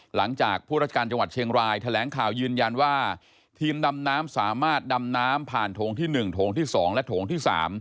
หลังจากผู้ราชการจังหวัดเชียงรายแถลงข่าวยืนยันว่าทีมดำน้ำสามารถดำน้ำผ่านโถงที่๑โถงที่๒และโถงที่๓